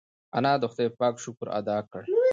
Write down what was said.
انا د خدای پاک شکر ادا کړ.